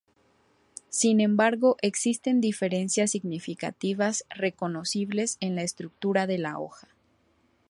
Sin embargo, existen diferencias significativas reconocibles en la estructura de la hoja.